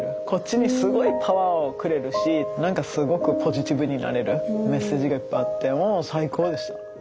こっちにすごいパワーをくれるし何かすごくポジティブになれるメッセージがいっぱいあってもう最高でした。